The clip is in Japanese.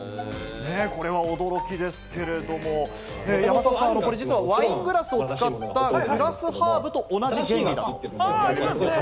これは驚きですけれども、山里さん、これ実はワイングラスを使ったグラスハープと同じ原理。